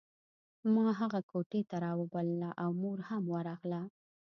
ما هغه کوټې ته راوبلله او مور هم ورغله